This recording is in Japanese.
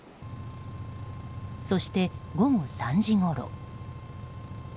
そして、午後３時ごろ。